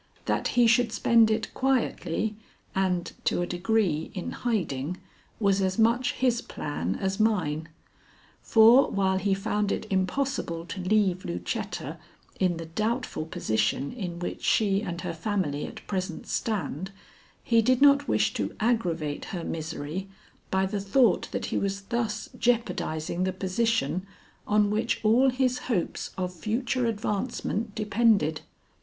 That he should spend it quietly and, to a degree, in hiding, was as much his plan as mine. For while he found it impossible to leave Lucetta in the doubtful position in which she and her family at present stand, he did not wish to aggravate her misery by the thought that he was thus jeopardizing the position on which all his hopes of future advancement depended.